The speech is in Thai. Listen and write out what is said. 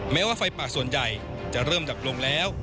แม้ว่าไฟป่าส่วนใหญ่จะเริ่มดับลงแล้ว